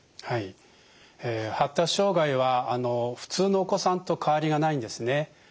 はい発達障害は普通のお子さんと変わりがないんですね。